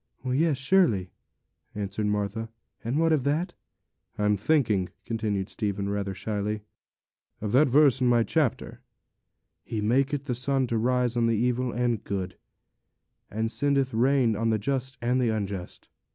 'Yes, surely,' answered Martha; 'and what of that?' 'I'm thinking,' continued Stephen, rather shyly, 'of that verse in my chapter: "He maketh the sun to rise on the evil and the good, and sendeth rain on the just and the unjust."